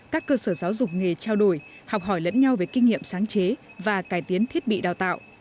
các cơ sở giáo dục nghề trao đổi học hỏi lẫn nhau về kinh nghiệm sáng chế và cải tiến thiết bị đào tạo